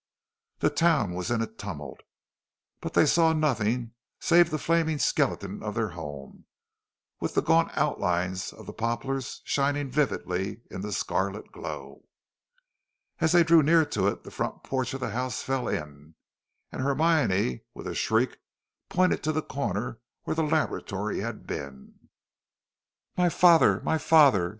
The town was in a tumult, but they saw nothing save the flaming skeleton of their home, with the gaunt outlines of the poplars shining vividly in the scarlet glow. As they drew near to it the front of the house fell in, and Hermione, with a shriek, pointed to the corner where the laboratory had been. "My father! my father!